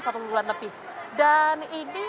satu bulan lebih dan ini